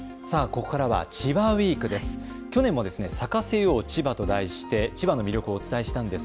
ここからは千葉ウイークです。